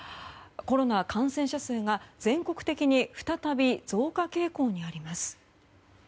コロナ感染者数が全国的に再び増加傾向にあります。